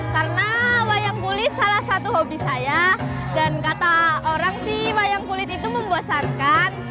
karena wayang kulit salah satu hobi saya dan kata orang sih wayang kulit itu membuasankan